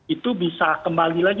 itu bisa kembali lagi